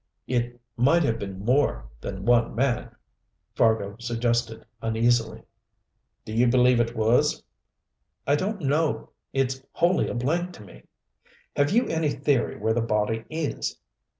"It might have been more than one man," Fargo suggested uneasily. "Do you believe it was?" "I don't know. It's wholly a blank to me." "Have you any theory where the body is?"